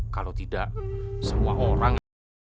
kalau tidak semua orang